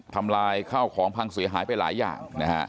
ทำลายข้าวของพังเสียหายไปหลายอย่างนะฮะ